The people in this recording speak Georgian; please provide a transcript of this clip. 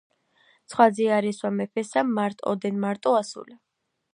სხვა ძე არ ესვა მეფესა, მართ ოდენ მარტო ასული,